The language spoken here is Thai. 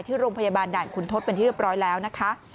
ที่โรงพยาบาลด่านคุณทศเป็นที่เรียบร้อยแล้วนะคะ